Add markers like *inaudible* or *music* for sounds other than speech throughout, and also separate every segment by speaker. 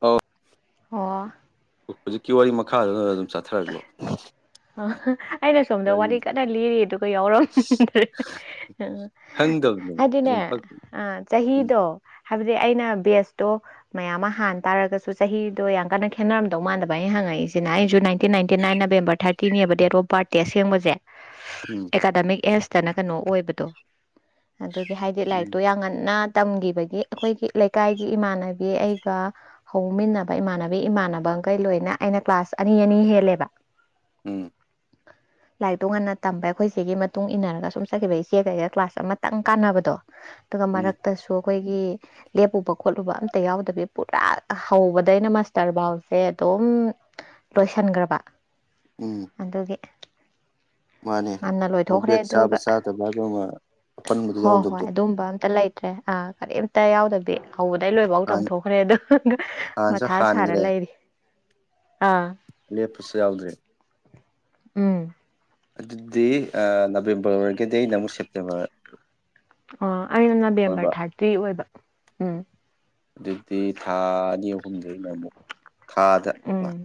Speaker 1: ꯑꯣ
Speaker 2: ꯑꯣ
Speaker 1: ꯍꯧꯖꯤꯛꯀꯤ ꯋꯥꯔꯤ ꯃꯈꯥꯗꯨꯅ ꯑꯗꯨꯝ ꯆꯠꯊꯔꯛꯂꯣ
Speaker 2: ꯑꯣ ꯑꯩꯅ ꯁꯣꯝꯗ ꯋꯥꯔꯤ ꯀꯟꯅ ꯂꯤꯔꯤ ꯑꯗꯨꯒ ꯌꯥꯎꯔꯝꯗ꯭ꯔꯦ
Speaker 1: ꯈꯪꯗꯕꯅꯦ
Speaker 2: ꯍꯥꯏꯗꯤꯅꯦ
Speaker 1: ꯑꯗꯨꯝ
Speaker 2: ꯑ
Speaker 1: ꯎꯝ
Speaker 2: ꯆꯍꯤꯗꯣ ꯍꯥꯏꯕꯗꯤ ꯑꯩꯅ ꯕꯦꯁꯇꯣ ꯃꯌꯥꯝ ꯑꯃ ꯍꯥꯟ ꯇꯥꯔꯒꯁꯨ ꯆꯍꯤꯗꯣ ꯌꯥꯝ ꯀꯟꯅ ꯈꯦꯠꯅꯔꯝꯗꯧ ꯃꯥꯟꯗꯕ ꯑꯩꯅ ꯍꯪꯉꯛꯦ ꯁꯤ ꯏꯇꯤꯟ ꯏꯟꯇꯤꯅꯥꯏꯟ ꯅꯦꯝꯕꯔ ꯊꯥꯇꯤ ꯇꯤꯅꯦꯕ ꯗꯦꯠ ꯑꯣꯐ ꯕꯥꯔꯠꯇꯦ ꯑꯁꯦꯡꯕꯁꯦ ꯑꯦꯀꯥꯗꯃꯤꯛ ꯑꯦꯁ ꯐ ꯆꯅ ꯀꯩꯅꯣ ꯑꯣꯏꯕꯗꯣ ꯑꯗꯨꯒꯤ ꯍꯥꯏꯗꯤ
Speaker 1: ꯎꯝ
Speaker 2: ꯂꯥꯏꯔꯤꯛꯇꯣ ꯌꯥꯝ ꯉꯟꯅ ꯇꯝꯈꯤꯕꯒꯤ ꯑꯩꯈꯣꯏꯒꯤ ꯂꯩꯀꯥꯏꯒꯤ ꯏꯃꯥꯟꯅꯕꯤ ꯑꯩꯒ ꯍꯧꯃꯤꯟꯅꯕ ꯏꯃꯥꯟꯅꯕꯤ ꯏꯃꯥꯟꯅꯕ ꯡꯈꯩ ꯂꯣꯏꯅ ꯑꯩꯅ ꯀ꯭ꯂꯥꯁ ꯑꯅꯤ ꯑꯅꯤ ꯍꯦꯜꯂꯦꯕ
Speaker 1: ꯎꯝ
Speaker 2: ꯂꯥꯏꯔꯤꯛꯇꯣ ꯉꯟꯅ ꯇꯝꯕ ꯑꯩꯈꯣꯏꯁꯤꯒꯤ ꯃꯇꯨꯡ ꯏꯟꯅꯔꯒ ꯁꯨꯝ ꯆꯠꯈꯤꯕ ꯏꯆꯦꯒꯩꯒ ꯀ꯭ꯂꯥꯁ ꯑꯃꯇꯪ ꯀꯥꯟꯅꯕꯗꯣ ꯑꯗꯨꯒ
Speaker 1: ꯎꯝ
Speaker 2: ꯃꯔꯛꯇꯁꯨ ꯑꯩꯈꯣꯏꯒꯤ ꯂꯦꯞꯎꯨꯕ ꯈꯣꯠꯂꯨꯕ ꯑꯝꯇ ꯌꯥꯎꯗꯕꯤ ꯄꯨꯔꯥ ꯍꯧꯕꯗ ꯑꯩꯅ ꯃꯁꯇꯔꯕꯥꯎꯁꯦ ꯑꯗꯨꯝ ꯑꯗꯨꯝ ꯂꯣꯏꯁꯤꯟꯈ꯭ꯔꯕ
Speaker 1: ꯎꯝ
Speaker 2: ꯑꯗꯨꯒꯤ
Speaker 1: ꯃꯥꯅꯦ
Speaker 2: ꯉꯟꯅ ꯂꯣꯏꯊꯣꯛꯈ꯭ꯔꯦ
Speaker 1: ꯒ ꯁꯥꯕ
Speaker 2: ꯑꯗꯨꯒ
Speaker 1: ꯁꯥꯇ ꯒ ꯑꯃ ꯑꯄꯟꯕꯗꯨ
Speaker 2: ꯍꯣꯏ ꯍꯣꯏ
Speaker 1: ꯌꯥꯎꯗꯕꯗꯣ
Speaker 2: ꯑꯗꯨꯝꯕ ꯑꯝꯇ ꯂꯩꯇ꯭ꯔꯦ ꯑ ꯀꯔꯤꯝꯇ ꯌꯥꯎꯗꯕꯤ ꯍꯧꯕꯗꯩ ꯂꯣꯏꯐꯥꯎ ꯇꯝꯊꯣꯛꯈ꯭ꯔꯦ ꯑꯗꯣ
Speaker 1: ꯍꯥꯟꯅꯁꯨ
Speaker 2: ꯃꯊꯥ ꯁꯥꯔ ꯂꯩꯔꯤ ꯑꯥ
Speaker 1: ꯂꯦꯄꯁꯨ ꯌꯥꯎꯗ꯭ꯔꯦ
Speaker 2: ꯎꯝ
Speaker 1: ꯑꯗꯨꯗꯤ ꯅꯕꯦꯝꯕꯔ ꯑꯣꯏꯔꯒꯗꯤ ꯑꯩꯅ ꯑꯃꯨꯛ ꯁꯦꯞꯇꯦꯝꯕꯔ
Speaker 2: ꯑꯣ ꯑꯩꯅ
Speaker 1: ꯑꯣꯏꯕ
Speaker 2: ꯅꯕꯦꯝꯕꯔ ꯊꯥꯔꯇꯤ ꯑꯣꯏꯕ ꯎꯝ
Speaker 1: ꯑꯗꯨꯗꯤ ꯊꯥ ꯑꯅꯤ ꯑꯍꯨꯝꯗꯩꯅ ꯑꯃꯨꯛ ꯊꯥꯗ
Speaker 2: ꯎꯝ
Speaker 1: ꯂꯥꯛ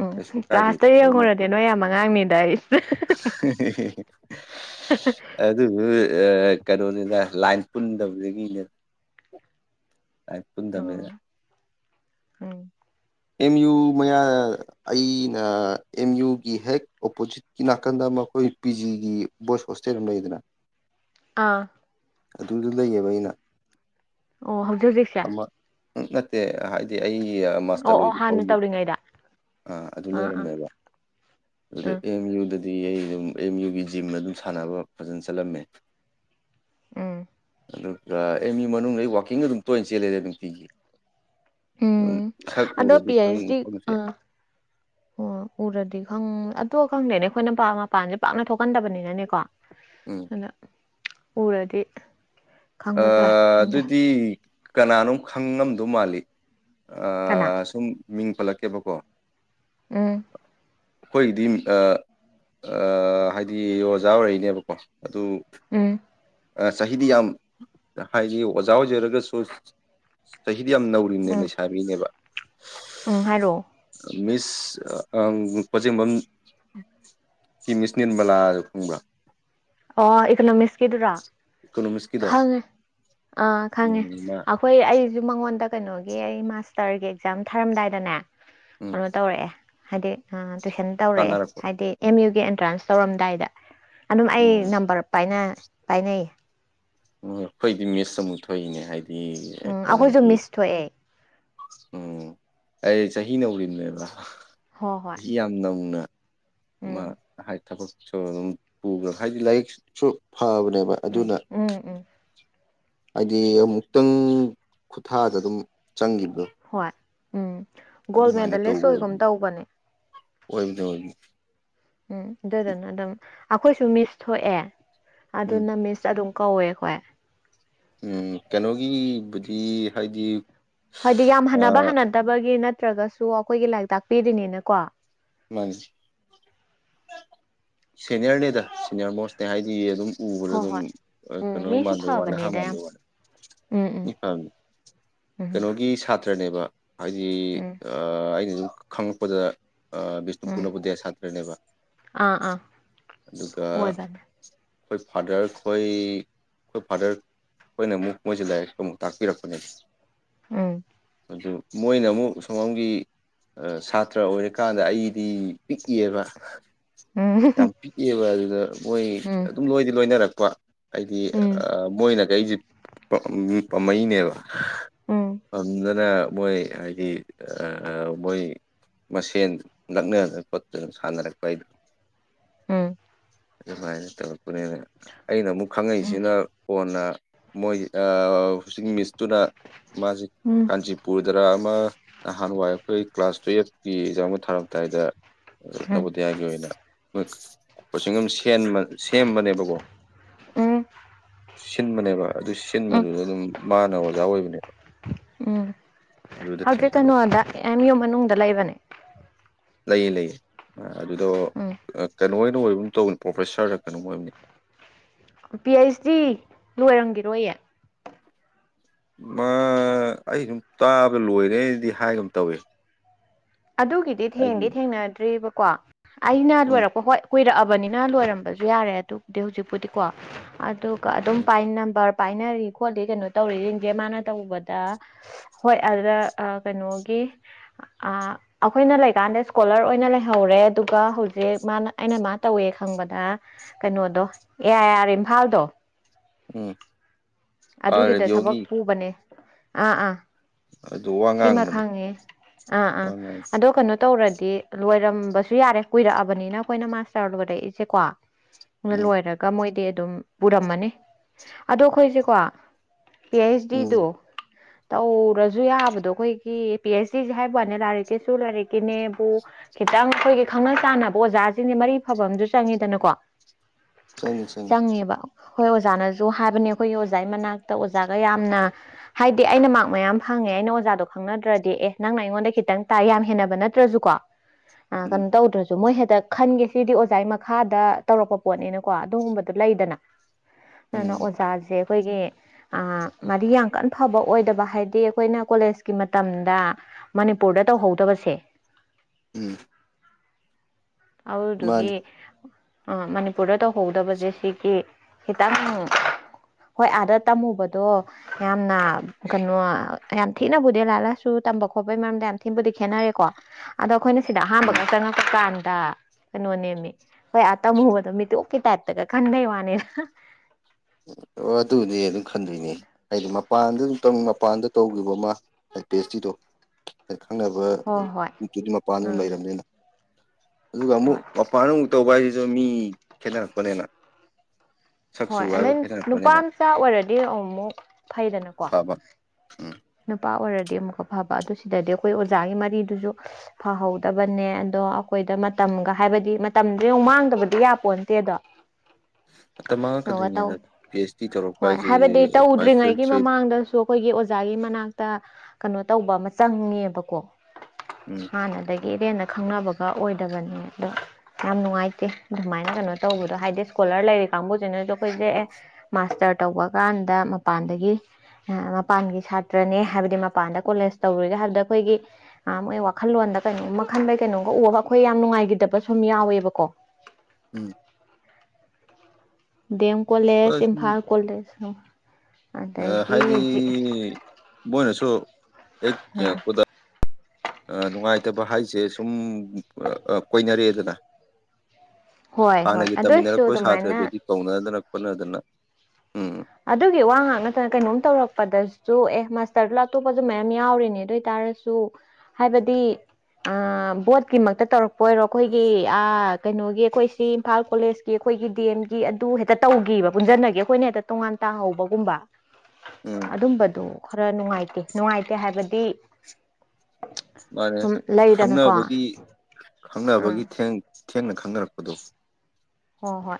Speaker 2: ꯎꯝ
Speaker 1: ꯀ ꯁꯨ ꯀꯥꯗ
Speaker 2: ꯀ꯭ꯂꯥꯁꯇ
Speaker 1: ꯀꯩ
Speaker 2: ꯌꯦꯡꯉꯨꯔꯗꯤ ꯅꯣꯏ ꯌꯥꯝ ꯑꯉꯥꯡꯅꯤꯗ ꯑꯩ
Speaker 1: ꯑꯗꯨꯗꯤ ꯀꯩꯅꯣꯅꯤꯅ ꯂꯥꯏꯟ ꯄꯨꯟꯗꯕꯗꯒꯤꯅꯦ ꯥꯏ
Speaker 2: ꯎꯝ
Speaker 1: ꯄꯨꯟꯗꯃꯤꯗ
Speaker 2: ꯎꯝ
Speaker 1: ꯑꯦꯝ ꯌꯨ ꯃꯌꯥ ꯑꯩꯅ ꯑꯦꯝ ꯌꯨꯒꯤ ꯍꯦꯛ ꯑꯣꯄꯣꯖꯤꯠꯀꯤ ꯅꯥꯀꯟꯗ ꯃꯈꯣꯏ ꯄꯤ ꯖꯤꯒꯤ ꯕꯣꯏꯁ ꯍꯣꯁꯇꯦꯜ ꯑꯃ ꯂꯩꯗꯅ
Speaker 2: ꯑꯥ
Speaker 1: ꯑꯗꯨꯗꯨ ꯂꯩꯌꯦꯕ ꯑꯩꯅ
Speaker 2: ꯑꯣ ꯍꯧꯖꯤꯛ ꯍꯧꯖꯤꯛꯁꯦ
Speaker 1: ꯎ ꯅꯠꯇꯦ ꯍꯥꯏꯗꯤ ꯑꯩ ꯃꯥꯁꯇꯔ
Speaker 2: ꯑꯣ ꯑꯣ
Speaker 1: ꯂꯣꯏꯁꯨ
Speaker 2: ꯍꯥꯟꯅ
Speaker 1: ꯐꯥꯎꯈꯤ
Speaker 2: ꯇꯧꯔꯤꯉꯩꯗ
Speaker 1: ꯑ ꯑꯗꯨ
Speaker 2: ꯑꯥ ꯑꯥ
Speaker 1: ꯂꯩꯔꯝꯃꯦꯕ ꯑꯗꯨꯗ
Speaker 2: ꯎꯝ
Speaker 1: ꯑꯦꯝ ꯌꯨꯗꯗꯤ ꯁꯤ ꯑꯩ ꯑꯗꯨꯝ ꯑꯦꯝ ꯌꯨꯒꯤ ꯖꯤꯝꯅ ꯑꯗꯨꯝ ꯁꯥꯟꯅꯕ ꯐꯖꯅ ꯆꯠꯂꯝꯃꯦ
Speaker 2: ꯎꯝ
Speaker 1: ꯑꯗꯨꯒ ꯑꯦꯝ ꯌ ꯃꯅꯨꯡꯗ ꯋꯥꯛꯀꯤꯡ ꯑꯗꯨꯝ ꯇꯣꯏꯅ ꯆꯦꯜꯂꯦꯗꯦ ꯅꯨꯡꯇꯤꯒꯤ ꯑꯗꯨꯝ
Speaker 2: ꯎꯝ
Speaker 1: ꯁꯛ
Speaker 2: ꯑꯗꯣ
Speaker 1: ꯎꯔꯗꯤ
Speaker 2: ꯄꯤ ꯑꯩꯆꯗꯤ
Speaker 1: ꯈꯪꯕꯁꯨ
Speaker 2: ꯑ
Speaker 1: ꯌꯥꯏ
Speaker 2: ꯑꯣ ꯎꯔꯗꯤꯒ ꯍꯪ ꯇꯣꯛꯑ ꯈꯪꯗꯦꯅꯦ ꯑꯩꯈꯣꯏꯅ ꯃ ꯃꯄꯥꯟꯁꯦ ꯄꯥꯛꯅ ꯊꯣꯛꯀꯟꯗꯕꯅꯤꯅꯅꯦꯀꯣ
Speaker 1: ꯎꯝ
Speaker 2: ꯑꯗ ꯎꯔꯗꯤ ꯈꯪꯕꯁꯨ ꯌꯥꯏ ꯈꯪꯗꯦ
Speaker 1: ꯑꯗꯨꯗꯤ ꯀꯅꯥꯅꯣꯝ ꯈꯪꯉꯝꯗꯧ ꯃꯥꯜꯂꯤ
Speaker 2: ꯀꯅꯥ
Speaker 1: ꯁꯨꯝ ꯃꯤꯡ ꯄꯠꯂꯛꯀꯦꯕꯀꯣ
Speaker 2: ꯎꯝ
Speaker 1: ꯑꯩꯈꯣꯏꯒꯤꯗꯤ ꯍꯥꯏꯗꯤ ꯑꯣꯖꯥ ꯑꯣꯏꯔꯛꯅꯦꯕꯀꯣ ꯑꯗꯨ
Speaker 2: ꯎꯝ
Speaker 1: ꯁꯍꯤꯗꯤ ꯌꯥꯝ ꯍꯥꯏꯗꯤ ꯑꯣꯖꯥ ꯑꯣꯏꯖꯔꯒꯁꯨ ꯁꯤꯗꯤ ꯌꯥꯝ ꯅꯧꯔꯤꯅꯦꯕ
Speaker 2: ꯎꯝ
Speaker 1: ꯂꯩꯁꯥꯕꯤꯅꯦꯕ
Speaker 2: ꯎꯝ ꯍꯥꯏꯔꯛꯑꯣ
Speaker 1: ꯃꯤꯁ ꯑ ꯀꯆꯤꯡꯕꯝ ꯁꯤ ꯃꯤꯁꯅꯦꯟꯕꯂꯨꯝꯕ
Speaker 2: ꯑꯣ ꯏꯀꯣꯅꯣꯃꯤꯛꯁꯀꯤꯗꯨꯔꯥ
Speaker 1: ꯏꯀꯣꯅꯣꯃꯤꯛꯁꯀꯤꯗꯣ
Speaker 2: ꯈꯪ ꯉꯦ ꯑꯥ ꯈꯪꯉꯦ
Speaker 1: ꯎꯝ ꯃꯥ
Speaker 2: ꯑꯩꯈꯣꯏ ꯑꯩꯁꯨ ꯃꯉꯣꯟꯗ ꯀꯩꯅꯣꯒꯤ ꯑꯩ ꯇꯔꯒꯤ ꯑꯦꯛꯖꯥꯝ ꯊꯥꯔꯝꯗꯥꯏꯗꯅꯦ
Speaker 1: ꯎꯝ
Speaker 2: ꯀꯩꯅꯣ ꯇꯧꯔꯛꯑꯦ ꯍꯥꯏꯗꯤ ꯇꯨꯏꯁꯟ ꯇꯧꯔꯛꯑꯦ
Speaker 1: ꯇꯥꯟꯅꯔꯛꯄ
Speaker 2: ꯍꯥꯏꯗꯤ ꯑꯦꯝ ꯌꯨꯒꯤ ꯑꯦꯟꯇ꯭ꯔꯥꯟꯁ ꯇꯧꯔꯝꯗꯥꯏꯗ ꯑꯗꯨꯝ ꯑꯩ
Speaker 1: ꯎꯝ
Speaker 2: ꯅꯝꯕꯝꯕꯔ ꯄꯥꯏꯅ ꯄꯥꯏꯅꯩꯌꯦ
Speaker 1: ꯎ ꯑꯩꯈꯣꯏꯗꯤ ꯃꯤꯁ ꯑꯃꯨꯛ ꯊꯣꯛꯏꯅꯦ ꯍꯥꯏꯗꯤ
Speaker 2: ꯎꯝ ꯑꯩꯈꯣꯏꯁꯨ
Speaker 1: ꯀꯩꯅꯣꯒꯤ
Speaker 2: ꯃꯤꯁ ꯊꯣꯛꯑꯦ
Speaker 1: ꯎꯝ ꯑꯩ ꯆꯍꯤ ꯅꯧꯔꯤꯕꯅꯦꯕ
Speaker 2: ꯍꯣꯏ ꯍꯣꯏ
Speaker 1: ꯆꯍꯤ ꯌꯥꯝ ꯅꯧꯅ
Speaker 2: ꯎꯝ
Speaker 1: ꯊꯕꯛꯁꯨ ꯑꯗꯨꯝ ꯄꯨꯈ꯭ꯔꯒ ꯍꯥꯏꯗꯤ ꯂꯥꯏꯔꯤꯛꯁꯨ ꯐꯕꯅꯦꯕ
Speaker 2: ꯎꯝ
Speaker 1: ꯑꯗꯨꯅ
Speaker 2: ꯎꯝ ꯎꯝ
Speaker 1: ꯍꯥꯏꯗꯤ ꯑꯃꯨꯛꯇꯪ ꯈꯨꯠꯊꯥꯗ ꯑꯗꯨꯝ ꯆꯪꯈꯤꯕ꯭ꯔꯥ
Speaker 2: ꯍꯣꯏ ꯎꯝ ꯒꯣꯜ ꯃꯦꯗꯂꯤꯁ ꯑꯣꯏꯒꯨꯝ ꯇꯧꯕꯅꯦ
Speaker 1: ꯑꯣꯏꯕꯗ ꯑꯣꯏ
Speaker 2: ꯎꯝ ꯑꯗꯨꯗꯨꯅ ꯑꯗꯨꯝ ꯑꯩꯈꯣꯏꯁꯨ ꯃꯤꯁ ꯊꯣꯛꯑꯦ
Speaker 1: ꯎꯝ
Speaker 2: ꯑꯗꯨꯅ ꯃꯤꯁ ꯑꯗꯨꯝ ꯀꯧꯋꯦ ꯑꯩꯏ
Speaker 1: ꯎꯝ ꯀꯩꯅꯣꯒꯤꯕꯨꯗꯤ ꯍꯥꯏꯗꯤ
Speaker 2: ꯍꯥꯏꯗꯤ ꯌꯥꯝ ꯍꯟꯅꯕ ꯍꯥꯟꯅꯗꯕꯒꯤ ꯅꯠꯇ꯭ꯔꯒꯁꯨ ꯑꯩꯈꯣꯏꯒꯤ ꯂꯥꯏꯔꯤꯛ ꯇꯥꯛꯄꯤꯔꯤꯅꯤꯅꯀꯣ
Speaker 1: ꯃꯥꯅꯤ ꯁꯦꯅꯤꯌꯔꯅꯦꯗ ꯁꯤꯦꯅꯤꯌꯔ ꯃꯣꯁꯅꯦ ꯍꯥꯏꯗꯤ ꯑꯗꯨꯝ ꯎꯕꯗ
Speaker 2: ꯍꯣꯏ
Speaker 1: ꯑꯗꯨꯝ
Speaker 2: ꯍꯣꯏ ꯎꯝ
Speaker 1: ꯀꯩꯅꯣ
Speaker 2: ꯃꯤꯁꯨ
Speaker 1: ꯃꯥꯟꯗꯣꯏ ꯋꯥꯂꯦ ꯑꯍꯥꯟ
Speaker 2: ꯐꯕꯅꯦꯗ ꯌꯥꯝ
Speaker 1: ꯃꯥꯟꯕꯗꯣꯏ
Speaker 2: ꯎꯝ ꯎꯝ
Speaker 1: ꯋꯥꯂ ꯈꯪꯅꯤ
Speaker 2: ꯎꯝ
Speaker 1: ꯀꯩꯅꯣꯒꯤ ꯁꯥꯇ꯭ꯔꯅꯦꯕ ꯍꯥꯏꯗꯤ
Speaker 2: ꯎꯝ
Speaker 1: ꯑꯩꯅ ꯁꯨꯝ ꯈꯪꯂꯛꯄꯗ
Speaker 2: ꯎꯝ
Speaker 1: ꯕꯤꯁꯅꯨꯄꯨꯔꯅꯕꯨ ꯗꯗꯤ ꯁꯥꯇ꯭ꯔꯅꯦꯕ
Speaker 2: ꯑꯥ ꯑꯥ
Speaker 1: ꯑꯗꯨꯒ
Speaker 2: ꯑꯣꯏꯕꯅꯦ
Speaker 1: ꯑꯩꯣꯏ ꯐꯥꯗꯔ ꯈꯣꯏ ꯑꯩꯈꯣꯏ ꯐꯥꯗꯔ ꯍꯈꯣꯏꯅ ꯑꯃꯨꯛ ꯃꯣꯏꯁꯦ ꯂꯥꯏꯔꯤꯛꯇꯨ ꯑꯃꯨꯛ ꯇꯥꯛꯄꯤꯔꯛꯄꯅꯦꯕ
Speaker 2: ꯎꯝ
Speaker 1: ꯑꯗꯨ ꯃꯣꯏꯅ ꯑꯃꯨꯛ ꯁꯨꯃꯥꯡꯝꯒꯤ ꯁꯥꯇ꯭ꯔ ꯑꯣꯏꯔꯦ ꯀꯥꯟꯗ ꯑꯩꯗꯤ ꯄꯤꯛꯏꯦꯕ ꯌꯥꯝ ꯄꯤꯛꯑꯦꯕ ꯑꯗꯨꯗ ꯃꯣꯏ ꯑꯗꯨꯝ ꯂꯣꯏꯗꯤ ꯂꯣꯏꯅꯔꯛꯄ ꯑꯩꯗꯤ ꯃꯣꯏꯅ ꯀꯩꯁꯦ ꯄꯥꯝꯃꯩꯅꯦꯕ ꯐꯝꯗꯨꯅ ꯃꯣꯏ ꯍꯥꯏꯗꯤ ꯃꯣꯏ ꯃꯁꯤ ꯇꯦꯟ ꯅꯛꯅꯅ ꯈꯣꯠꯇꯅ ꯁꯥꯟꯅꯔꯛꯄ ꯑꯩꯗꯣ
Speaker 2: ꯎꯝ
Speaker 1: ꯑꯗꯨꯃꯥꯏꯅ ꯇꯧꯔꯛꯄꯅꯤꯅ ꯑꯩꯅ ꯑꯃꯨꯛ ꯈꯪꯉꯛꯏꯁꯤꯅ ꯀꯣꯟꯅ ꯃꯣꯏ ꯍꯧꯖꯤꯛ ꯃꯤꯁꯇꯨꯅ ꯃꯥꯁꯤ ꯀꯥꯟꯆꯤꯄꯨꯔꯗ ꯑꯃ ꯅꯍꯥꯟꯋꯥꯏ ꯑꯩꯈꯣꯏ ꯀ꯭ꯂꯥꯁ ꯇꯨꯌꯦꯜꯐꯀꯤ ꯑꯦꯛꯖꯥꯝ ꯑꯃ ꯊꯥꯔꯝꯗꯥꯏꯗ
Speaker 2: ꯎꯝ
Speaker 1: ꯅꯕꯣꯗꯤꯌꯥꯒꯤ ꯑꯣꯏꯅ ꯀꯆ ꯑꯗꯨ ꯁꯦꯝꯕꯅꯦꯕꯀꯣ
Speaker 2: ꯎꯝ
Speaker 1: ꯁꯤꯟꯕꯅꯦꯕ ꯑꯗꯨ
Speaker 2: ꯎꯝ
Speaker 1: ꯁꯤꯟꯕꯗꯨꯁꯨ ꯑꯗꯨꯝ ꯃꯥꯅ ꯑꯣꯖꯥ ꯑꯣꯏꯕꯅꯦꯕ
Speaker 2: ꯎꯝ
Speaker 1: ꯑꯗꯨꯗ
Speaker 2: ꯍꯧꯖꯤꯛ
Speaker 1: ꯊꯦꯡꯅꯕ
Speaker 2: ꯀꯩꯅꯣꯗꯦꯝ ꯌꯨꯝ ꯃꯅꯨꯡꯗ ꯂꯩꯕꯅꯦ
Speaker 1: ꯂꯩꯌꯦ ꯂꯩꯌꯦ ꯑꯗꯨꯗꯣ
Speaker 2: ꯎꯝ
Speaker 1: ꯀꯩꯅꯣ ꯑꯣꯏꯅ ꯑꯣꯏꯕ ꯇꯧꯕꯅꯤ ꯄ꯭ꯔꯣꯐꯦꯁꯥꯔꯗ ꯀꯩꯅꯣꯝ ꯑꯣꯏꯕꯅꯤ
Speaker 2: ꯄꯤ ꯑꯩꯆ ꯗꯤ ꯂꯣꯏꯔꯝꯈꯤꯔꯣꯏꯌꯦ
Speaker 1: ꯃꯥ ꯑꯩ ꯁꯨꯝ ꯇꯥꯕꯗ ꯂꯣꯏꯔꯦꯗꯤ ꯍꯥꯏꯒ ꯑꯃ ꯇꯧꯏ
Speaker 2: ꯑꯗꯨꯒꯤꯗꯤ ꯊꯦꯡꯗꯤ ꯊꯦꯡꯅꯗ꯭ꯔꯤꯕꯀꯣ ꯑꯩꯅ
Speaker 1: ꯎꯝ
Speaker 2: ꯂꯣꯏꯔꯛꯄ ꯍꯣꯏ ꯀꯨꯏꯔꯛꯑꯕꯅꯤꯅ ꯂꯣꯏꯔꯝꯕꯁꯨ ꯌꯥꯔꯦ ꯑꯗꯨꯕꯨꯗꯤ ꯍꯧꯖꯤꯛꯄꯨꯗꯤꯀꯣ ꯑꯗꯨꯒ ꯑꯗꯨꯝ
Speaker 1: ꯎꯝ
Speaker 2: ꯄꯥꯏꯟ ꯅꯝꯕꯔ ꯄꯥꯏꯅꯔꯤ ꯈꯣꯠꯂꯤ ꯀꯩꯅꯣ ꯇꯧꯔꯤꯁꯤꯡꯁꯤꯡꯁꯦ ꯃꯥꯅ ꯇꯧꯕꯗ ꯍꯣꯏ ꯑꯗꯨꯗ ꯀꯩꯅꯣꯒꯤ ꯑ ꯑꯩꯈꯣꯏꯅ ꯂꯩꯀꯥꯟꯗ ꯏꯁꯀꯣꯂꯔ ꯑꯣꯏꯅ ꯂꯩꯍꯧꯔꯦ ꯑꯗꯨꯒ ꯍꯧꯖꯤꯛ ꯃꯥꯅ ꯑꯩꯅ ꯃꯥ ꯇꯧꯋꯦ ꯈꯪꯕꯗ ꯀꯩꯅꯣꯗꯣ ꯑꯦ ꯌꯥꯔꯦ ꯏꯝꯐꯥꯜꯗꯣ
Speaker 1: ꯎꯝ ꯑꯥ
Speaker 2: ꯑꯗꯨꯒꯤꯗ ꯊꯕꯛ
Speaker 1: ꯔꯦꯗꯤꯑꯣꯒꯤ
Speaker 2: ꯄꯨꯕꯅꯦ ꯑꯥ ꯑꯥ
Speaker 1: ꯑꯗꯨ ꯋꯥ
Speaker 2: ꯁꯤꯃ
Speaker 1: ꯉꯥꯡꯕꯅꯦ
Speaker 2: ꯈꯪꯉꯦ ꯑꯥ ꯑꯥ
Speaker 1: ꯋꯥ ꯉꯥꯡ
Speaker 2: ꯑꯗꯣ ꯀꯩꯅꯣ ꯇꯧꯔꯗꯤ ꯗꯤ ꯂꯣꯏꯔꯝꯕꯁꯨ ꯌꯥꯔꯦ ꯀꯨꯏꯔꯛꯑꯕꯅꯤꯅ ꯑꯩꯈꯣꯏꯅ ꯃꯥꯁꯇꯔ ꯂꯣꯏꯔꯛꯏꯁꯦꯀꯣ
Speaker 1: ꯎꯝ
Speaker 2: ꯂꯣꯏꯔꯒ ꯃꯣꯏꯗꯤ ꯑꯗꯨꯝ ꯄꯨꯔꯝꯃꯅꯤ ꯑꯗꯣ ꯑꯩꯈꯣꯏꯁꯦꯀꯣ ꯄꯤ ꯑꯩꯆ
Speaker 1: ꯎꯝ
Speaker 2: ꯗꯤꯗꯨ ꯇꯧꯔꯁꯨ ꯌꯥꯕꯗꯣ ꯑꯩꯈꯣꯏꯒꯤ ꯄꯤ ꯑꯩꯆ ꯗꯤꯁꯦ ꯍꯥꯏꯕ ꯋꯥꯅꯦ ꯂꯥꯏꯔꯤꯛꯀꯤꯁꯨ ꯂꯥꯏꯔꯤꯛꯀꯤꯅꯦꯕꯨ ꯈꯤꯇꯪ ꯑꯩꯈꯣꯏꯒꯤ ꯈꯪꯅ ꯆꯥꯟꯅꯕ ꯑꯣꯖꯥꯁꯤꯡꯁꯦ ꯃꯔꯤ ꯐꯕ ꯑꯁꯨ ꯆꯪꯉꯤꯗꯅꯀꯣ
Speaker 1: ꯆꯉ ꯆꯪ
Speaker 2: ꯍꯣꯏ ꯑꯣꯖꯥꯅꯁꯨ ꯍꯥꯏꯕꯅꯤ ꯑꯩꯈꯣꯏꯒꯤ ꯑꯣꯖꯥꯒꯤ ꯃꯅꯥꯛꯇ ꯑꯣꯖꯥꯒ ꯌꯥꯝꯅ ꯍꯥꯏꯗꯤ ꯑꯩꯅ ꯃꯔꯛ ꯃꯌꯥꯝ ꯐꯪꯉꯦ ꯑꯩꯅ ꯑꯣꯖꯥꯗꯣ ꯈꯪꯅꯗ꯭ꯔꯗꯤ ꯑꯦ ꯅꯪ ꯉꯣꯟ ꯈꯤꯪ ꯇ ꯌꯥꯝ ꯍꯦꯕ ꯅꯠꯇ꯭ꯔꯁꯨꯀꯣ
Speaker 1: ꯎꯝ
Speaker 2: ꯀꯩꯅꯣ ꯇꯧꯗ꯭ꯔꯣꯏ ꯑ ꯈꯟꯒꯦ ꯁꯤꯗꯤ ꯑꯣꯖꯥꯒꯤ ꯃꯈꯥꯗ ꯇꯧꯔꯛꯄ ꯄꯣꯠꯅꯤꯅꯀꯣ ꯑꯗꯨꯒꯨꯝꯕꯗꯣ ꯂꯩꯗꯅ ꯅꯅ
Speaker 1: ꯎꯝ
Speaker 2: ꯑꯣꯖꯥꯖꯦ ꯑꯩꯈꯣꯏꯒꯤ ꯃꯥꯗꯤ ꯌꯥꯝ ꯀꯟꯅ ꯐꯕ ꯑꯣꯏꯗꯕ ꯍꯥꯏꯗꯤ ꯑꯩꯈꯣꯏꯅ ꯀꯣꯂꯦꯖꯀꯤ ꯃꯇꯝꯗ ꯃꯅꯤꯄꯨꯔꯗ ꯇꯧꯍꯧꯗꯕꯁꯦ
Speaker 1: ꯎꯝ
Speaker 2: ꯍꯥꯎꯗꯨꯒꯦ
Speaker 1: ꯃꯥꯅꯤ
Speaker 2: ꯑ ꯃꯅꯤꯄꯨꯔꯗ ꯇꯧꯍꯧꯗꯕꯁꯦ ꯁꯤꯒꯤ ꯈꯤꯇꯪ ꯍꯣꯏ ꯑꯥꯗ ꯇꯝꯃꯨꯕꯗꯣ ꯌꯥꯝꯅ ꯀꯩꯅꯣ ꯌꯥꯝ ꯊꯤꯅꯕꯨꯗꯤ ꯂꯥꯏ ꯂꯥꯏꯁꯨ ꯇꯝꯕ ꯈꯣꯠ ꯈꯣꯠꯄꯒꯤ ꯃꯔꯝꯗ ꯌꯥꯝ ꯊꯤꯕꯨꯗꯤ ꯈꯦꯠꯅꯔꯦꯀꯣ ꯑꯗꯣ ꯑꯩꯈꯣꯏꯅ ꯁꯤꯗ
Speaker 1: ꯎꯝ
Speaker 2: ꯑꯍꯥꯟꯕꯒꯇꯪ ꯉ ꯀꯠꯄꯥꯟ ꯀꯩꯅꯣꯅꯦꯃꯤ ꯍꯣꯏ ꯑꯥ ꯇꯝ ꯍꯨꯕꯗꯣ ꯃꯤꯇꯣꯛꯞꯀꯤ ꯇꯥꯏꯞꯇꯒ ꯈꯟꯕꯩ ꯋꯥꯅꯤꯅ
Speaker 1: *inaudible* ꯑꯣ ꯑꯗꯨꯅꯦ ꯑꯗꯨꯝ ꯈꯟꯗꯣꯏꯅꯦ ꯍꯥꯏꯗꯤ ꯃꯄꯥꯟꯗ ꯑꯃꯝꯇꯪ ꯃꯄꯥꯟꯗ ꯇꯧꯈꯤꯕ ꯑꯃ ꯄꯦꯁꯇ꯭ꯔꯤꯗꯣ ꯈꯪꯅꯕ
Speaker 2: ꯍꯣꯏ ꯍꯣꯏ
Speaker 1: ꯅꯨꯠꯇꯨꯗꯤ ꯃꯄꯥꯟꯗꯨ
Speaker 2: ꯎꯝ
Speaker 1: ꯂꯩꯔꯕꯅꯤꯅ ꯑꯗꯨꯒ ꯑꯃꯨꯛ
Speaker 2: ꯍꯣꯏ
Speaker 1: ꯃꯄꯥꯟ ꯑꯃꯨꯛ ꯇꯧꯕ ꯍꯥꯏꯁꯤꯁꯨ ꯃꯤ ꯈꯦꯠꯅꯔꯛꯄꯅꯤꯅ ꯁꯛꯁꯨ
Speaker 2: ꯍꯣꯏ
Speaker 1: ꯍꯥꯏꯕ
Speaker 2: ꯑꯗꯩ ꯅꯨꯄꯥ
Speaker 1: ꯈꯦꯠꯅꯔꯛꯄꯅꯤꯅ
Speaker 2: ꯃꯆꯥ ꯑꯣꯏꯔꯗꯤ ꯑꯃ ꯑꯃꯨꯛ ꯐꯩꯗꯅꯀꯣ
Speaker 1: ꯐꯕ ꯎꯝ
Speaker 2: ꯅꯨꯄꯥ ꯑꯣꯏꯔꯗꯤ ꯑꯃꯨꯛꯀ ꯐꯕ ꯑꯗꯨ ꯁꯤꯗꯗꯤ ꯑꯩꯈꯣꯏ ꯑꯣꯖꯥꯒꯤ ꯃꯔꯤꯗꯨꯁꯨ ꯐꯍꯧꯗꯕꯅꯦ ꯑꯗꯣ ꯑꯩꯈꯣꯏ ꯗ ꯃꯇꯝꯒ ꯍꯥꯏꯕꯗꯤ ꯃꯇꯝꯗ ꯃꯥꯡꯗꯕꯗꯤ ꯌꯥ ꯄꯣꯟꯇꯦ ꯑꯗꯣ
Speaker 1: *inaudible*
Speaker 2: ꯀꯩꯅ ꯇꯧ
Speaker 1: ꯃꯥꯡꯉꯛꯀꯗꯣꯏꯅꯤꯗ ꯄꯤ ꯑꯩꯆ ꯗꯤ ꯇꯧꯔꯛꯄ
Speaker 2: ꯍꯣꯏ
Speaker 1: ꯍꯥꯏꯁꯦ
Speaker 2: ꯍꯥꯏꯕꯗꯤ
Speaker 1: ꯐꯤꯜ
Speaker 2: ꯇꯧꯗ꯭ꯔꯤꯉꯩꯒꯤ
Speaker 1: ꯇ꯭ꯔꯤꯞ
Speaker 2: ꯃꯃꯥꯡꯗꯁꯨ ꯑꯩꯈꯣꯏꯒꯤ ꯑꯣꯖꯥꯒꯤ ꯃꯅꯥꯛꯇ ꯀꯩꯅꯣ ꯇꯧꯕ ꯑꯃ ꯆꯪꯉꯦꯕꯀꯣ
Speaker 1: ꯎꯝ
Speaker 2: ꯍꯥꯟꯅ ꯏꯔꯦꯟꯅ ꯈꯪꯅꯕꯒ ꯑꯣꯏꯗꯕꯅꯦ ꯑꯗꯣ ꯌꯥꯝ ꯅꯨꯡꯉꯥꯏꯇꯦ ꯑꯗꯨꯃꯥꯏꯅ ꯀꯩꯅꯣ ꯇꯧꯕꯗꯣ ꯍꯥꯏꯗꯤ ꯁꯀꯨꯜ ꯏꯁꯀꯣꯂꯔ ꯂꯩꯔꯤ ꯀꯥꯡꯕꯨꯁꯤꯅꯁꯨ ꯑꯩꯈꯣꯏꯁꯦ ꯑꯦ ꯃꯥꯁꯇꯔ ꯇꯧꯕ ꯀꯥꯟꯗ ꯃꯄꯥꯟꯗꯒꯤ ꯄꯥꯟꯒꯤ ꯁꯥꯗ ꯅ ꯇ꯭ꯔꯅꯦ ꯍꯥꯏꯕꯗꯤ ꯃꯄꯥꯟꯗ ꯀꯣꯂꯦꯖ ꯇꯧꯔꯨꯒꯦ ꯍꯥꯏꯕꯗ ꯑꯩꯈꯣꯏꯒꯤ ꯃꯣꯏ ꯋꯥꯈꯜꯂꯣꯟꯗ ꯀꯩꯅꯒꯨꯝ ꯃꯈ ꯈꯟꯕꯩ ꯀꯩꯅꯣꯒꯨꯝ ꯎꯕ ꯑꯩꯈꯣꯏ ꯌꯥꯝ ꯅꯨꯡꯉꯥꯏꯈꯤꯗꯕ ꯁꯨꯝ ꯌꯥꯎꯋꯦꯕꯀꯣ
Speaker 1: ꯎꯝ
Speaker 2: ꯗꯦꯝ ꯀꯣꯂꯦꯖ
Speaker 1: ꯎꯝ
Speaker 2: ꯏꯝꯐꯥꯜ ꯀꯣꯂꯦꯖ ꯑꯗꯒꯤ
Speaker 1: ꯍꯥꯏꯗꯤ
Speaker 2: ꯍꯧꯖꯤꯛ
Speaker 1: ꯃꯣꯏꯅꯁꯨ ꯍꯦꯛ ꯅꯨꯡꯉꯥꯏꯇꯕ ꯍꯥꯏꯁꯦ ꯁꯨꯝ ꯀꯣꯏꯅꯔꯑꯦꯗꯅ
Speaker 2: ꯍꯣꯏ ꯍꯣꯏ
Speaker 1: ꯍꯥꯟꯅꯒꯤ
Speaker 2: ꯑꯗꯨꯏꯁꯨ
Speaker 1: ꯇꯝꯃꯤꯟꯅꯔꯛꯄ
Speaker 2: ꯑꯗꯨꯃꯥꯏꯅ
Speaker 1: ꯁꯥꯇ꯭ꯔꯗꯨꯗꯤ ꯀꯧꯅꯗꯅ ꯈꯣꯠꯅꯗꯅ ꯎꯝ
Speaker 2: ꯑꯗꯨꯒꯤ ꯋꯥ ꯉꯥꯛ ꯅꯠꯇꯅ ꯀꯩꯅꯣꯝ ꯇꯧꯔꯛꯄꯗꯁꯨ ꯑꯦ ꯃꯥꯁꯇꯔꯗꯨ ꯂꯥꯛꯇꯣꯛꯄꯁꯨ ꯃꯌꯥꯝ ꯌꯥꯎꯔꯤꯅꯦ ꯑꯗꯨ ꯑꯣꯏꯇꯥꯔ ꯍꯥꯏꯔꯁꯨ ꯍꯥꯏꯕꯗꯤ ꯕꯣꯠꯀꯤꯃꯛꯇ ꯇꯧꯔꯛꯄ ꯑꯣꯏꯔꯣ ꯑꯩꯈꯣꯏꯒꯤ ꯀꯩꯅꯣꯒꯤ ꯑꯩꯈꯣꯏ ꯁꯤ ꯏꯝꯐꯥꯜ ꯀꯣꯂꯦꯖꯀꯤ ꯑꯩꯣꯏ ꯑꯩꯈꯣꯏꯒꯤ ꯗꯦꯝꯒꯤ ꯑꯗꯨ ꯍꯦꯛꯇ ꯇꯧꯈꯤꯕ ꯄꯨꯟꯁꯤꯟꯅꯒꯦ ꯑꯩꯈꯣꯏꯅ ꯍꯦꯛꯇ ꯇꯣꯉꯥꯟ ꯇꯥꯍꯧꯕꯒꯨꯝꯕ
Speaker 1: ꯎꯝ
Speaker 2: ꯑꯗꯨꯝꯕꯗꯨ ꯈꯔ ꯅꯨꯡꯉꯥꯏꯇꯦ ꯅꯨꯡꯉꯥꯏꯇꯦ ꯍꯥꯏꯕꯗꯤ
Speaker 1: ꯃꯥꯅꯦ
Speaker 2: ꯁꯨꯝ ꯂꯩꯗꯅꯀꯣ
Speaker 1: ꯈꯪꯅꯕꯒꯤ
Speaker 2: ꯑꯥ
Speaker 1: ꯈꯪꯅꯕꯒꯤ ꯊꯦꯡ ꯊꯦꯡꯅ ꯈꯪꯅꯔꯛꯄꯗꯣ
Speaker 2: ꯍꯣꯏ ꯍꯣꯏ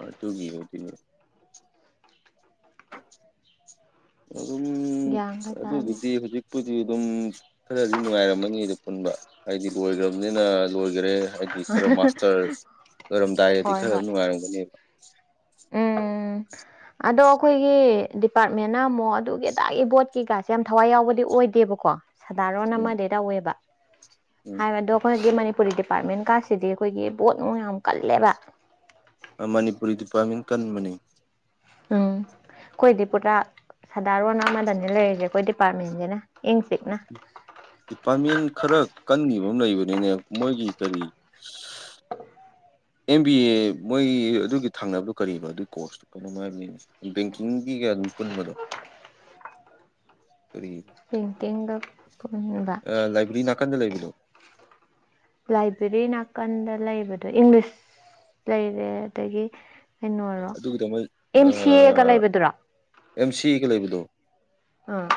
Speaker 1: ꯑꯗꯨꯒꯤ ꯎꯝ ꯑꯗꯨꯝ
Speaker 2: ꯒ꯭ꯌꯥꯟꯒ ꯇꯥꯗꯦ
Speaker 1: ꯑꯗꯨꯒꯤꯗꯤ ꯍꯧꯖꯤꯛꯄꯨꯗꯤ ꯑꯗꯨꯝ ꯈꯔꯗꯤ ꯅꯨꯡꯉꯥꯏꯔꯝꯃꯅꯤ ꯑꯗꯨ ꯄꯨꯟꯕ ꯍꯥꯏꯗꯤ ꯂꯣꯏꯈ꯭ꯔꯕꯅꯤꯅ ꯑꯣꯏꯈꯔꯦ ꯍꯥꯏꯗꯤ ꯈꯔ ꯃꯥꯁꯇꯔ ꯑꯣꯏꯔꯝꯗꯥꯏꯔꯗꯤ
Speaker 2: ꯍꯣꯏ
Speaker 1: ꯈꯔ
Speaker 2: ꯍꯣꯏ
Speaker 1: ꯅꯨꯡꯉꯥꯏꯔꯝꯒꯅꯦꯕ *inaudible*
Speaker 2: ꯎꯝ ꯑꯗꯣ ꯑꯩꯈꯣꯏꯒꯤ ꯗꯤꯄꯥꯔꯠꯃꯦꯟꯅ ꯑꯃꯨꯛ ꯑꯗꯨꯒꯤ ꯑꯗꯥꯒꯤ ꯕꯣꯠꯀꯤ ꯁꯦ ꯌꯥꯝ ꯊꯋꯥꯏ ꯌꯥꯎꯕꯗꯤ ꯑꯣꯏꯗꯦꯕꯀꯣ ꯁꯥꯗꯥꯔꯣꯟ
Speaker 1: ꯎꯝ
Speaker 2: ꯑꯃꯗꯤ ꯇꯧꯋꯦꯕ
Speaker 1: ꯎꯝ
Speaker 2: ꯍꯥꯏꯕꯗꯣ ꯑꯩꯈꯣꯏꯒꯤ ꯃꯅꯤꯄꯨꯔꯤꯗꯤ ꯗꯤꯄꯥꯔꯠꯃꯦꯟ ꯀꯥꯁꯤꯗꯤ ꯑꯩꯈꯣꯏꯒꯤ ꯕꯣꯠ ꯅꯨꯡ ꯌꯥꯝ ꯀꯜꯂꯦꯕ
Speaker 1: ꯃꯅꯤꯄꯨꯔꯤꯗꯨ ꯄꯥꯃꯤꯡ ꯀꯟꯕꯅꯤ
Speaker 2: ꯎꯝ ꯑꯩꯈꯣꯏꯗꯤ ꯄꯨꯔꯥ ꯁꯥꯗꯥꯔꯣꯟ ꯑꯃꯗꯅꯦ ꯂꯩꯔꯤꯁꯦ ꯑꯩꯈꯣꯏ ꯗꯤꯄꯥꯔꯠꯃꯦꯟꯁꯤꯅ ꯏꯪ ꯆꯤꯛꯅ
Speaker 1: ꯗꯤꯄꯥꯔꯠꯃꯦꯟ ꯈꯔ ꯀꯟꯈꯤꯕ ꯑꯃ ꯂꯩꯕꯅꯤꯅꯦ ꯃꯣꯏꯒꯤ ꯀꯔꯤ ꯑꯦꯝ ꯕꯤ ꯑꯦ ꯃꯣꯏ ꯑꯗꯨꯒꯤ ꯊꯥꯡꯅꯕꯗꯨ ꯀꯔꯤꯕ ꯑꯗꯨꯒꯤ ꯀꯣꯔꯁꯇꯨ ꯀꯩꯅꯝꯃꯥꯏꯅ ꯂꯩꯅꯤ ꯕꯦꯡꯀꯤꯡꯒꯤ ꯄꯨꯟ ꯃꯗ ꯀꯔꯤ
Speaker 2: ꯇꯤꯡ ꯇꯤꯡꯒ ꯄꯨꯟꯕ
Speaker 1: ꯂꯥꯏꯕ꯭ꯔꯦꯔꯤ ꯅꯥꯀꯟꯗ ꯂꯩꯕꯤꯅꯣ
Speaker 2: ꯂꯥꯏꯕ꯭ꯔꯦꯔꯤ ꯅꯥꯀꯟꯗ ꯂꯩꯕꯗꯣ ꯏꯪꯂꯤꯁ ꯂꯩꯔꯦ ꯑꯗꯒꯤ ꯀꯩꯅꯣꯔꯣ
Speaker 1: ꯑꯗꯨꯒꯤꯗꯃ
Speaker 2: ꯑꯦꯝ ꯁꯤ ꯑꯦꯒ ꯂꯩꯕꯗꯨꯔꯣ
Speaker 1: ꯑꯦꯝ ꯁꯤꯒ ꯂꯩꯕꯗꯣ
Speaker 2: ꯑꯥ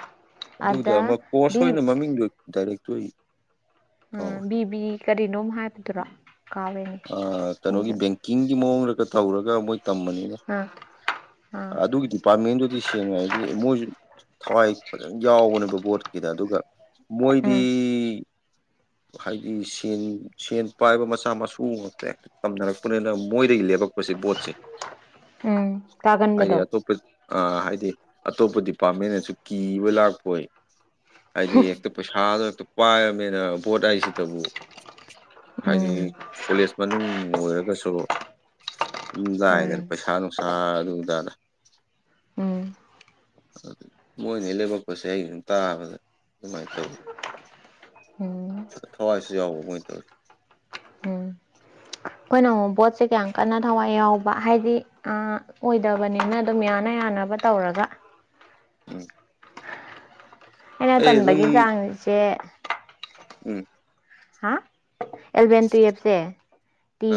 Speaker 1: ꯑꯗꯨꯗ
Speaker 2: ꯑꯗ
Speaker 1: ꯑꯃ ꯀꯣꯔꯁ
Speaker 2: ꯕꯤ
Speaker 1: ꯑꯣꯏꯅ ꯃꯃꯤꯡꯗꯨꯣ ꯗꯥꯏꯔꯦꯛꯇꯣꯏ
Speaker 2: ꯎ ꯕꯤꯕꯤ ꯀꯔꯤꯅꯣꯝ ꯍꯥꯏꯕꯗꯨꯔꯣ ꯀꯥꯎꯔꯦꯅꯦ
Speaker 1: ꯀꯩꯅꯣꯒꯤ
Speaker 2: ꯑꯩꯁꯨ
Speaker 1: ꯕꯦꯡꯀꯤꯡꯒꯤ ꯃꯑꯣꯡꯗꯒ ꯇꯧꯔꯒ ꯃꯣꯏ ꯇꯝꯕꯅꯤꯅ
Speaker 2: ꯑꯥ ꯑꯥ
Speaker 1: ꯑꯗꯨꯒꯤ ꯗꯤꯄꯥꯔꯠꯃꯦꯟꯗꯨꯗꯤ ꯁꯦꯡꯉꯦ ꯍꯥꯏꯗꯤ ꯃꯣꯏꯁꯨ ꯊꯋꯥꯏ ꯐꯖꯅ ꯌꯥꯎꯕꯅꯦꯕ ꯕꯣꯠꯀꯤꯗ ꯑꯗꯨꯒ ꯃꯣꯏꯗꯤ
Speaker 2: ꯎꯝ
Speaker 1: ꯍꯥꯏꯗꯤ ꯁꯦꯟ ꯁꯦꯟ ꯄꯥꯏꯕ ꯃꯆꯥ ꯃꯁꯨ ꯉꯥꯛꯇ ꯍꯦꯛꯇ ꯇꯝꯅꯔꯛꯄꯅꯤꯅ ꯃꯣꯏꯗꯒꯤ ꯂꯦꯕꯛ ꯀ ꯣꯠꯁꯦ
Speaker 2: ꯎꯝ ꯀꯒꯅ
Speaker 1: ꯍꯥꯏꯗꯤ ꯑꯇꯣꯞꯄ ꯑ ꯍꯥꯏꯗꯤ ꯑꯇꯣꯞꯄ ꯗꯤꯄꯥꯔꯠꯃꯦꯟꯅꯁꯨ ꯀꯤꯕ ꯂꯥꯛꯄꯣꯏ ꯍꯥꯏꯗꯤ ꯍꯦꯛꯇ ꯄꯩꯁꯥꯗꯨꯣ ꯍꯦꯛꯇ ꯄꯥꯏꯔꯕꯅꯤꯅ ꯚꯣꯠ ꯍꯥꯏꯁꯤꯗꯕꯨ ꯍꯥꯏꯗꯤ
Speaker 2: ꯎꯝ
Speaker 1: ꯀꯣꯂꯦꯖ ꯃꯅꯨꯡ ꯑꯣꯏꯔꯒꯁꯨ
Speaker 2: ꯎꯝ
Speaker 1: ꯂꯨꯗꯥꯏꯗꯅ ꯄꯩꯁꯥ ꯅꯨꯡꯁꯥ ꯑꯗꯨꯨꯗꯥꯗ
Speaker 2: ꯎꯝ
Speaker 1: ꯃꯣꯏꯅꯩ ꯂꯕꯛꯄꯁꯦ ꯑꯩ ꯑꯗꯨꯨꯝ ꯇꯥꯕꯗ ꯑꯗꯨꯃꯥꯏꯅ ꯇꯧꯋꯤ
Speaker 2: ꯎꯝ ꯎꯝ
Speaker 1: ꯊꯋꯥꯏꯁꯨ ꯌꯥꯕ ꯃꯣꯏ ꯇꯔ
Speaker 2: ꯑꯩꯈꯣꯏꯅ ꯕꯣꯠꯁꯦ ꯀꯌꯥꯝ ꯀꯟꯅ ꯊꯋꯥꯏ ꯌꯥꯎꯕ ꯍꯥꯏꯗꯤ ꯑꯣꯏꯗꯕꯅꯤꯅ ꯑꯗꯨꯝ ꯌꯥꯅ ꯌꯥꯅ ꯇꯧꯔꯒ
Speaker 1: *inaudible* ꯎꯝ
Speaker 2: ꯑꯩꯅ
Speaker 1: ꯑꯩ ꯑꯗꯨꯝ
Speaker 2: ꯇꯟꯝꯕꯒꯤ ꯆꯥꯡꯁꯦ
Speaker 1: ꯎꯝ
Speaker 2: ꯍꯥ ꯑꯦꯂꯚꯦꯟ ꯇꯨꯋꯦꯜꯞꯁꯦ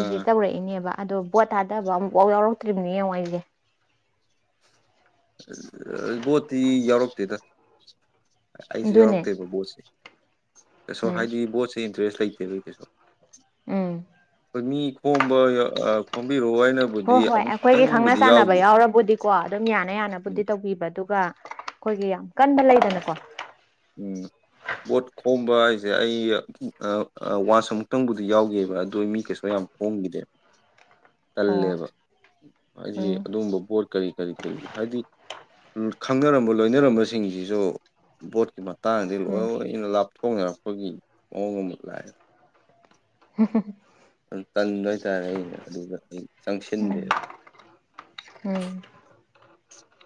Speaker 1: ꯑ
Speaker 2: ꯇꯧꯔꯛꯏꯅꯦꯕ ꯑꯗꯣ ꯕꯣꯠ ꯇꯥꯗꯕ ꯑꯃꯨꯛꯐꯥꯎ ꯌꯥꯎꯔꯛꯇ꯭ꯔꯤꯕꯅꯦ ꯌꯦꯡꯉꯣ ꯑꯩꯁꯦ
Speaker 1: ꯕꯣꯠꯇꯤ ꯌꯥꯎꯔꯛꯇꯦꯗ ꯑꯩꯁꯨ
Speaker 2: ꯑꯗꯨꯅꯦ
Speaker 1: ꯌꯥꯎꯔꯛꯇꯦꯕ ꯕꯣꯠꯁꯦ ꯀꯩꯁꯨꯣ
Speaker 2: ꯎꯝ
Speaker 1: ꯍꯥꯏꯗꯤ ꯕꯣꯠꯁꯦ ꯏꯟꯇꯔꯦꯁ ꯂꯩꯇꯦꯕꯒꯤ ꯀꯩꯁꯨ
Speaker 2: ꯎꯝ
Speaker 1: ꯑꯩꯣꯏ ꯃꯤ ꯈꯣꯝꯕ ꯍꯥꯏꯅꯕꯨꯗꯤ
Speaker 2: ꯍꯣꯏ ꯍꯣꯏ ꯑꯩꯈꯣꯏꯒꯤ ꯈꯪꯅ
Speaker 1: ꯑꯃꯨꯛꯇꯪꯕꯨꯗꯤ
Speaker 2: ꯆꯥꯟꯅꯕ
Speaker 1: ꯌꯥꯎꯈꯤ
Speaker 2: ꯌꯥꯎꯔꯕꯨꯗꯤꯀꯣ ꯑꯗꯨꯝ ꯌꯥꯅ ꯌꯥꯅꯕ
Speaker 1: ꯎꯝ
Speaker 2: ꯕꯨꯗꯤ ꯇꯧꯕꯤꯕ ꯑꯗꯨꯒ ꯑꯩꯈꯣꯏꯒꯤ ꯌꯥꯝ ꯀꯟꯕ ꯂꯩꯗꯅꯀꯣ
Speaker 1: ꯎꯝ ꯕꯣꯠ ꯈꯣꯝꯕ ꯍꯥꯏꯁꯦ ꯑꯩ ꯋꯥꯟꯁ ꯑꯃꯨꯛꯇꯪꯕꯨꯗꯤ ꯌꯥꯎꯒꯦꯕ ꯑꯗꯨꯗ ꯃꯤ ꯀꯩꯁꯨ ꯌꯥꯝ ꯍꯣꯡꯒꯗꯦ
Speaker 2: ꯑꯣ
Speaker 1: ꯇꯜꯂꯦꯕ ꯍꯥꯏꯗꯤ
Speaker 2: ꯎꯝ
Speaker 1: ꯑꯗꯨꯒꯨꯝꯕ ꯕꯣꯠ ꯀꯔꯤ ꯀꯔꯤ ꯀꯔꯤ ꯍꯥꯏꯗꯤ ꯈꯪꯅꯔꯝꯕ ꯂꯣꯏꯅꯔꯝꯕꯁꯤꯡꯁꯤꯁꯨ ꯚꯣꯠꯀꯤ ꯃꯇꯥꯡꯗꯤ
Speaker 2: ꯎꯝ
Speaker 1: ꯂꯣꯏꯅ ꯂꯥꯞ ꯣꯡ ꯉꯛꯄꯒꯤ ꯃꯑꯣꯡ ꯑꯃ ꯂꯥꯛꯑꯦꯕ
Speaker 2: *unintelligible*
Speaker 1: ꯑꯗꯨ ꯀꯟꯕ ꯍꯥꯏꯇꯥꯔꯦ ꯑꯩꯩꯅ ꯑꯗꯨꯒ ꯑꯩ ꯆꯪꯁꯤꯟꯗꯦꯕ
Speaker 2: ꯎꯝ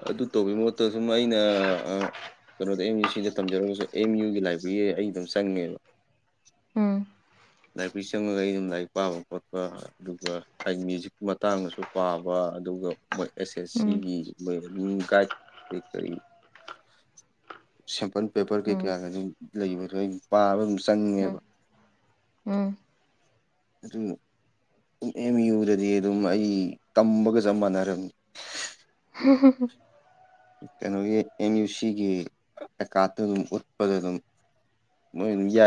Speaker 1: ꯑꯗꯨ ꯇꯧꯕꯒꯤ ꯃꯍꯨꯠꯇ ꯁꯨꯝ ꯑꯩꯅ ꯀꯩꯅꯣꯗ ꯑꯦꯝ ꯌꯨ ꯁꯤꯗ ꯊꯝꯖꯔꯒꯁꯨ ꯑꯦꯝ ꯌꯨꯒꯤ ꯂꯥꯏꯕ꯭ꯔꯦꯔꯤ ꯑꯩ ꯑꯗꯨꯝ ꯆꯪꯉꯦꯕ
Speaker 2: ꯎꯝ
Speaker 1: *unintelligible* ꯂꯥꯏꯕꯔꯤ ꯆꯪꯉꯒ ꯑꯩ ꯑꯗꯨꯝ ꯂꯥꯏꯔꯤꯛ ꯄꯥꯕ ꯈꯣꯠꯄ ꯑꯗꯨꯒ ꯍꯥꯏ ꯃ꯭ꯌꯨꯖꯤꯛꯀꯤ ꯃꯇꯥꯡꯗꯁꯨ ꯄꯥꯕ ꯑꯗꯨꯒ ꯃꯣꯏ ꯑꯦꯁ ꯑꯦꯁ
Speaker 2: ꯎꯝ
Speaker 1: ꯁꯤꯒꯤ ꯃꯣꯏ ꯑꯗꯨ ꯒꯥꯏꯗ ꯀꯔꯤ ꯀꯔꯤ ꯁꯦꯝꯄꯜ ꯄꯦꯄꯔ
Speaker 2: ꯎꯝ ꯎꯝ
Speaker 1: ꯀꯩꯀꯥꯒ ꯑꯗꯨꯝ ꯂꯩꯕꯗꯣ ꯑꯩ ꯄꯥꯕ ꯑꯗꯨꯝ
Speaker 2: ꯎꯝ
Speaker 1: ꯆꯪꯉꯦꯕ
Speaker 2: ꯎꯝ
Speaker 1: ꯑꯗꯨ ꯑꯦꯝ ꯌꯨꯗꯗꯤ ꯑꯗꯨꯝ ꯑꯩ ꯇꯝꯕꯒ ꯆꯞ ꯃꯥꯟꯅꯔꯝꯃꯤ
Speaker 2: ꯎ
Speaker 1: ꯀꯩꯅꯣꯒꯤ ꯑꯦꯝ ꯌꯨ ꯁꯤꯒꯤ ꯑꯦꯀꯥꯠꯇ ꯑꯗꯨꯝ ꯎꯠꯄꯗ ꯑꯗꯨꯝ ꯃꯣꯏ ꯌꯥ